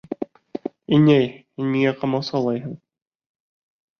Инәй, һин миңә ҡамасаулайһың.